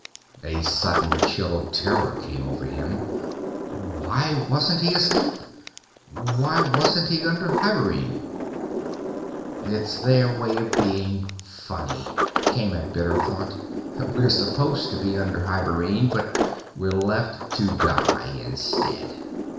A sudden chill of terror came over him. Why wasn't he asleep? Why wasn't he under hibernene? It's their way of being funny, came a bitter thought. _We're supposed to be under hibernene, but we're left to die, instead.